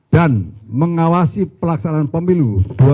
dan mengawasi pelaksanaan pemilu dua ribu sembilan belas